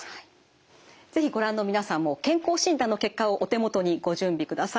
是非ご覧の皆さんも健康診断の結果をお手元にご準備ください。